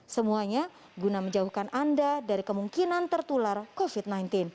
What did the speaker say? semuanya guna menjauhkan anda dari kemungkinan tertular covid sembilan belas